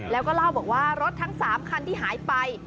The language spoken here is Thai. แล้วก็เล่าบอกว่ารถทั้ง๓คันที่หายไป